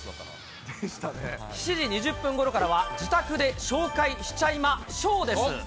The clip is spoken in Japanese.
７時２０分ごろからは、自宅で紹介しちゃいまＳＨＯＷです。